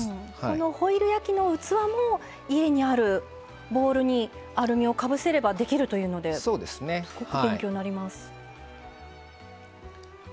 ホイル焼きの器も家にあるボウルにアルミをかぶせればできるということで勉強になります。